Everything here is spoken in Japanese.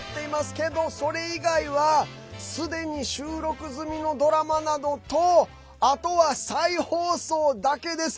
けど、それ以外はすでに収録済みのドラマなどとあとは再放送だけです。